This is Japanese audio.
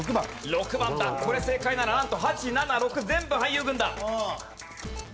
これ正解ならなんと８７６全部俳優軍団。